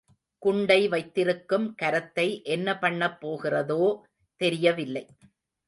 குண்டை வைத்திருக்கும் கரத்தை என்ன பண்ணப் போகிறதோ தெரியவில்லை.